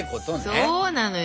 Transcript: そうなのよ。